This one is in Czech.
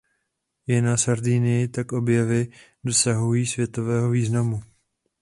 I na Sardinii tak objevy dosahují světového významu.